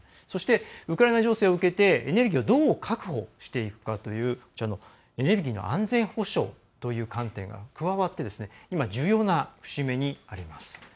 そして、ウクライナ情勢を受けてエネルギーをどう確保していくかというエネルギーの安全保障という観点が加わって、今重要な節目にあります。